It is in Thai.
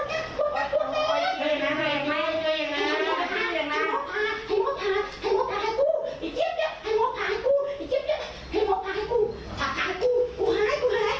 ที่แกแม่งน้ายเนี้ยไงแล้วที่ส่งได้ยูที่ภาทเขาสบายแปลว่า